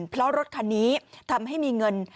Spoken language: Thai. เพราะรถคันนี้ทำให้มีเงิน